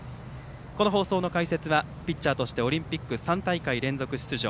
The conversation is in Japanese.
この放送の解説はピッチャーとしてオリンピック３大会連続出場